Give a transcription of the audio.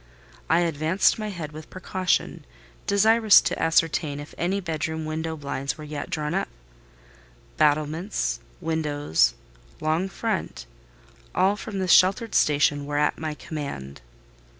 I advanced my head with precaution, desirous to ascertain if any bedroom window blinds were yet drawn up: battlements, windows, long front—all from this sheltered station were at my command.